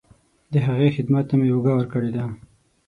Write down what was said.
د هغې خدمت ته مې اوږه ورکړې ده.